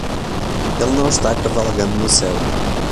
Ele não está cavalgando no céu.